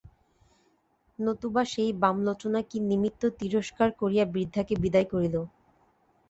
নতুবা সেই বামলোচনা কি নিমিত্ত তিরস্কার করিয়া বৃদ্ধাকে বিদায় করিল।